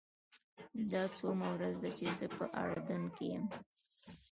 دا څوومه ورځ ده چې زه په اردن کې یم.